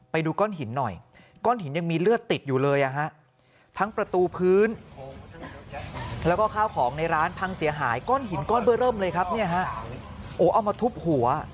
ไปดูก้อนหินหน่อยก้อนหินยังมีเลือดติดอยู่เลยอ่ะฮะ